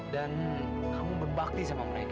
dan kamu berbakti sama mereka